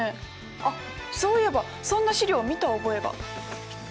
あっそういえばそんな資料を見た覚えが。